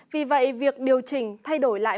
vì vậy việc điều chỉnh thay đổi lại